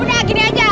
udah gini aja